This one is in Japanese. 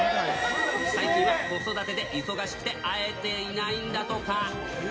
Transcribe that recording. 最近は子育てで忙しくて、会えていないんだとか。